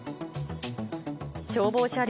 消防車両